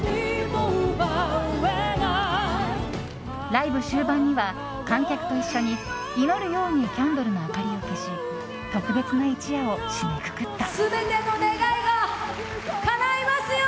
ライブ終盤には観客と一緒に祈るようにキャンドルの明かりを消し特別な一夜を締めくくった。